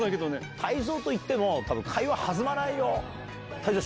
泰造と行っても、たぶん、会話弾まないよ。